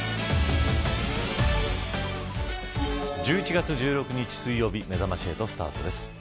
１１月１６日水曜日めざまし８スタートです。